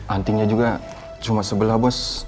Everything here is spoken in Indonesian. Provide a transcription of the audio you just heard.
antingnya juga cuma sebelah bos